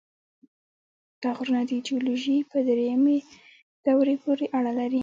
دا غرونه د جیولوژۍ په دریمې دورې پورې اړه لري.